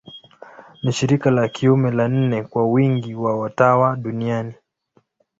Ni shirika la kiume la nne kwa wingi wa watawa duniani.